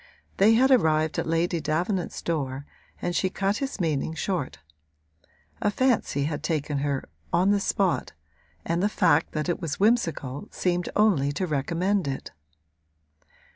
They had arrived at Lady Davenant's door and she cut his meaning short. A fancy had taken her, on the spot, and the fact that it was whimsical seemed only to recommend it.